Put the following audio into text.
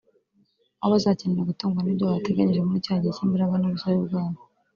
aho bazakenera gutungwa n’ibyo bateganyije muri cya gihe cy’imbaraga n’ubusore bwabo